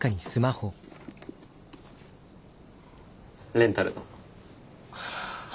レンタルの。